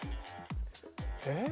えっ？